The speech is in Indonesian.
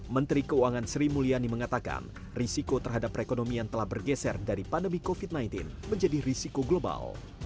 menteri keuangan sri mulyani mengatakan risiko terhadap perekonomian telah bergeser dari pandemi covid sembilan belas menjadi risiko global